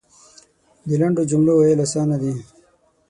د لنډو جملو ویل اسانه دی .